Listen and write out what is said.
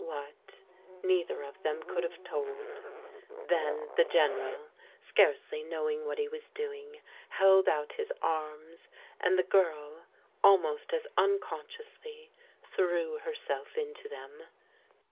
What, neither of them could have told. Then the General, scarcely knowing what he was do ing, held out his arms, and the girl, almost as uncon sciously, threw herself into them.